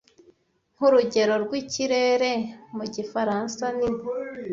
Nkurugero rwikirere, mu gifaransa ni